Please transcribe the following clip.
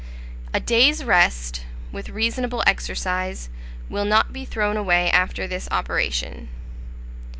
A day's rest, with reasonable exercise, will not be thrown away after this operation.